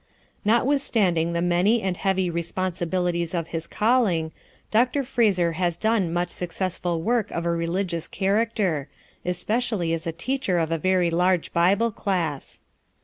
Notwithstanding the many and heavy responsibilities of his calling, Dr. Fraser has done much successful work of a religious character, especially as a teacher of a very large Bible class.